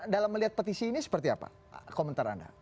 dalam melihat petisi ini seperti apa komentar anda